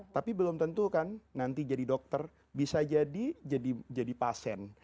tapi belum tentu kan nanti jadi dokter bisa jadi pasien